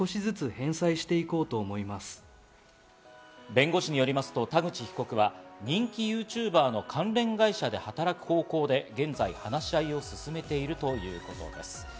弁護士によりますと、田口被告は人気ＹｏｕＴｕｂｅｒの関連会社で働く方向で現在話し合いを進めているということです。